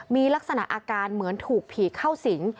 มีลักษณะอาการเหมือนถูกผีเข้าสิง